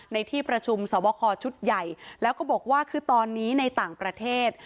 ในที่ประชุมสอบคอชุดใหญ่แล้วก็บอกว่าคือตอนนี้ในต่างประเทศ